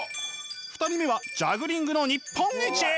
２人目はジャグリングの日本一。